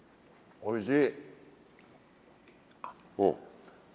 おいしい！